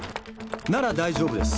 なら大丈夫です。